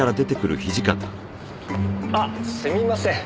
あっすみません。